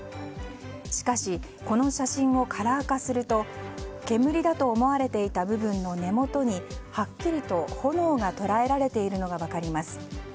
しかしこの写真をカラー化すると煙だと思われていた部分の根元にはっきりと炎が捉えられているのが分かります。